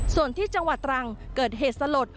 ส่วนที่จังหวัดตรังเกิดเหตุสลด